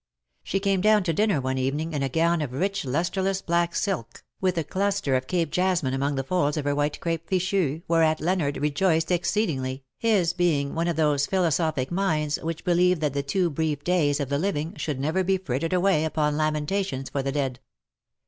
She came down to dinner one evening in a gown of rich lustreless black silk^ with a cluster of Cape jasmine among the folds of her white crape fichu, whereat Leonard rejoiced exceedingly, his being one of those philosophic minds which believe that the too brief days of the living should never be frittered away upon lamentations for the dead.